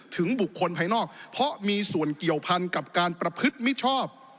บุคคลภายนอกเพราะมีส่วนเกี่ยวพันกับการประพฤติมิชชอบ